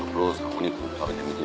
お肉食べてみて。